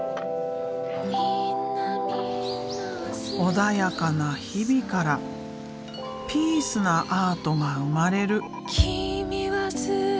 穏やかな日々からピースなアートが生まれる。